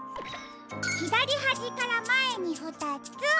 ひだりはじからまえにふたつ。